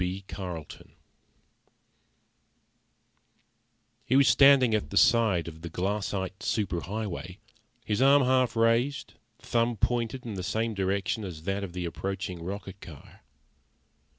B. CARLETON He was standing at the side of the glassite super highway, his arm half raised, thumb pointed in the same direction as that of the approaching rocket car.